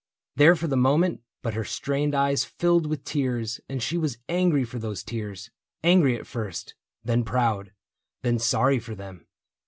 There for the moment; but her strained eyes filled With tears, and she was angry for those tears — Angry at first, then proud, then sorry for them.